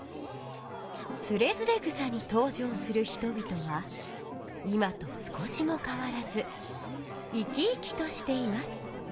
「徒然草」にとう場する人々は今と少しもかわらず生き生きとしています。